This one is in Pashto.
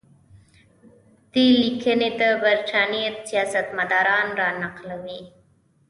دې لیکنې د برټانیې سیاستمدار را نقلوي.